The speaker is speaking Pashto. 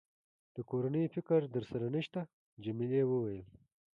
د کورنۍ فکر در سره نشته؟ جميلې وويل:.